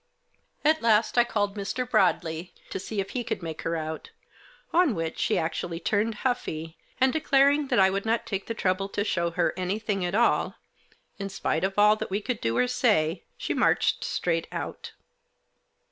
At last I called Mr. Broadley to see if he could make her out. On which she actually turned huffy, and declaring that I would not take the trouble to show her anything at all, in spite of all that we could do or say, she marched straight out.